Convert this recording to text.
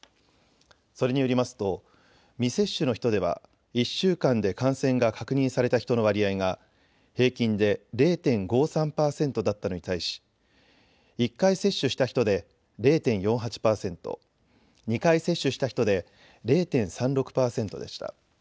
それによりますと未接種の人では１週間で感染が確認された人の割合が平均で０．５３％だったのに対し、１回接種した人で０．４８％、２回接種した人で０．３６％でした。